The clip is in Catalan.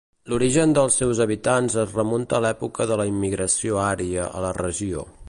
L'origen dels seus habitants es remunta a l'època de la immigració ària a la regió.